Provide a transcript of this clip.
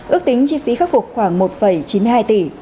ước tính chi phí khắc phục khoảng một chín mươi hai tỷ